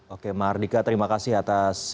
oke mardika terima kasih atas